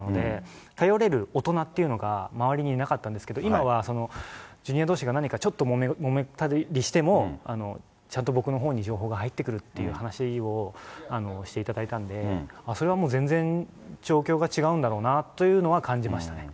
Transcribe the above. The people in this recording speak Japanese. すごくおっしゃる方だったので、何かを相談だったりだとか、私生活の相談だったりとかもするような対象ではなかったので、頼れる大人っていうのが周りにいなかったんですけど、今はジュニアどうしが何かちょっともめたりしても、ちゃんと僕のほうに情報が入ってくるっていう話をしていただいたんで、あっ、それはもう全然状況が違うんだろうなというのは感じましたね。